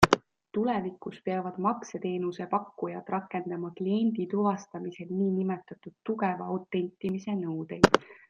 Tulevikus peavad makseteenuse pakkujad rakendama kliendi tuvastamisel niinimetatud tugeva autentimise nõudeid.